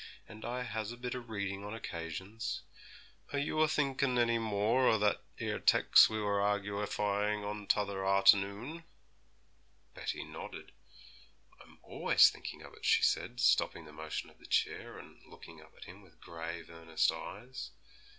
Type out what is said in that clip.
And I has a bit o' reading on occasions. Are you a thinkin' any more o' that 'ere tex' that we was a argufying on t'other arter noon?' Betty nodded. 'I'm always thinking of it,' she said, stopping the motion of the chair, and looking up at him with grave, earnest eyes.